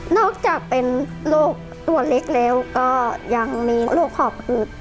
อกจากเป็นโรคตัวเล็กแล้วก็ยังมีโรคหอบหืด